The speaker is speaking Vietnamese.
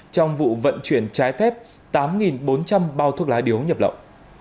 trong vụ vận chuyển trái phép tám bốn trăm linh bao thuốc lá điếu nhập lậu